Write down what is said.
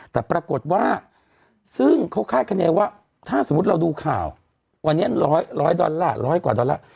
แต่ปรากฏว่าซึ่งเขาค่ายักแค่ว่าถ้าสมมติเราดูข่าววันนี้๑๐๐ดอลลาร์๑๐๐กว่าดอลลาร์